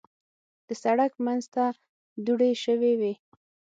د سړک منځ ته دوړې شوې وې.